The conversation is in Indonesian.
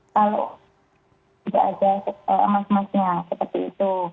lalu juga ada emas emasnya seperti itu